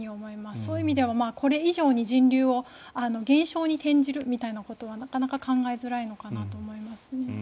そういう意味でもこれ以上に人流を減少に転じるみたいなことはなかなか考えづらいのかなと思いますね。